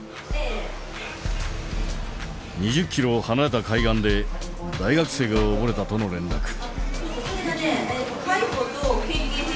２０ｋｍ離れた海岸で大学生がおぼれたとの連絡。